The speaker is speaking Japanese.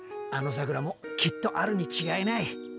あの桜もきっとあるに違いない。